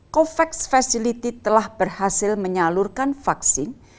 covax facility telah berhasil menyalurkan vaksin